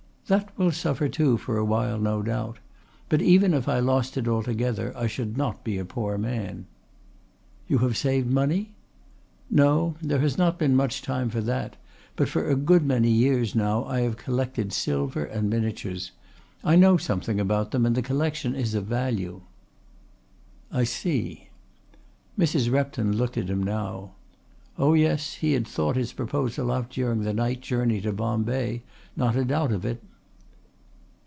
"That will suffer too for a while no doubt. But even if I lost it altogether I should not be a poor man." "You have saved money?" "No. There has not been much time for that, but for a good many years now I have collected silver and miniatures. I know something about them and the collection is of value." "I see." Mrs. Repton looked at him now. Oh, yes, he had thought his proposal out during the night journey to Bombay not a doubt of it.